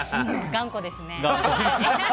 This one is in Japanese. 頑固ですね。